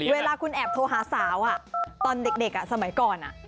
เวลาคุณแอบโทรหาสาวตอนเด็กสมัยก่อน